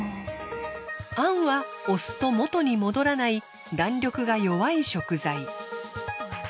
あんは押すと元に戻らない弾力が弱い食材。